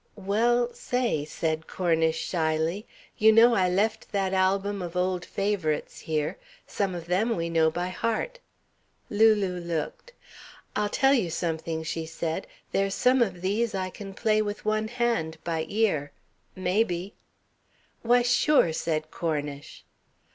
"Well, say," said Cornish shyly, "you know I left that Album of Old Favourites here. Some of them we know by heart." Lulu looked. "I'll tell you something," she said, "there's some of these I can play with one hand by ear. Maybe " "Why sure!" said Cornish.